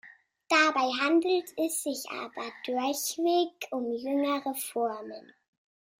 Dabei handelt es sich aber durchweg um jüngere Formen.